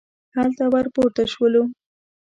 هلته ور پورته شولو.